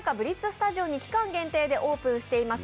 スタジオに期間限定でオープンしています